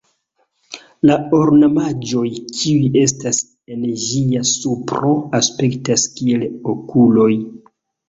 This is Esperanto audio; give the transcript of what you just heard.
La ornamaĵoj kiuj estas en ĝia supro aspektas kiel okuloj.